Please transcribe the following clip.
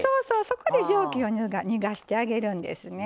そこで蒸気を逃がしてあげるんですね。